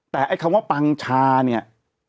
แต่ไอ้คำว่าปังชาเนี่ย